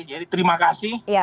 jadi terima kasih